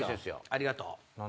ありがとう。